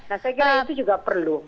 nah saya kira itu juga perlu